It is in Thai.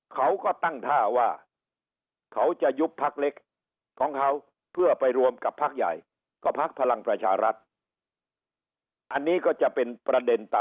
เขาก็ตั้งท่าว่าเขาจะยุบภักดิ์เล็กของเขาเพื่อไปรวมกับภักดิ์ใหญ่ก็ภักดิ์พลังประชารัฐ